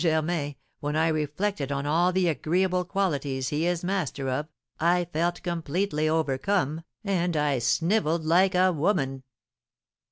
Germain, when I reflected on all the agreeable qualities he is master of, I felt completely overcome, and I snivelled like a woman.